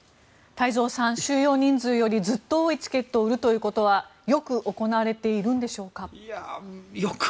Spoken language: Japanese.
太蔵さん、収容人数よりずっと多いチケットを売るということはよく行われているか。